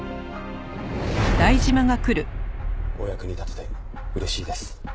お役に立てて嬉しいです。